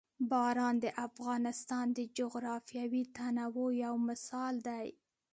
باران د افغانستان د جغرافیوي تنوع یو مثال دی.